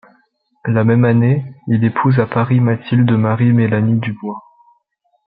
La même année, il épouse à Paris Mathilde Marie Mélanie Dubois.